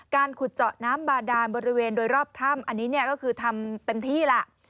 การขุดเจาะน้ำบาดาลบริเวณโดยรอบถ้ำอันนี้ก็คือทำเต็มที่